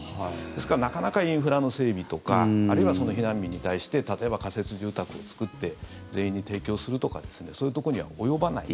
ですからなかなかインフラの整備とかあるいは避難民に対して例えば仮設住宅を作ったり全員に提供するとかそういうところには及ばない。